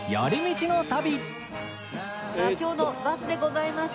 今日のバスでございます。